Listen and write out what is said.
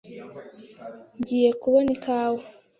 Ngiye kubona ikawa.